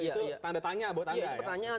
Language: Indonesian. itu tanda tanya buat anda ya